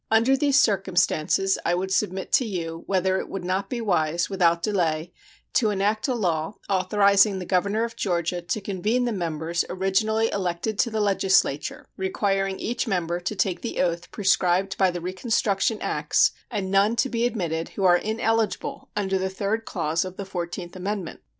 Under these circumstances I would submit to you whether it would not be wise, without delay, to enact a law authorizing the governor of Georgia to convene the members originally elected to the legislature, requiring each member to take the oath prescribed by the reconstruction acts, and none to be admitted who are ineligible under the third clause of the fourteenth amendment.